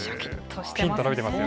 ピンと伸びてますね。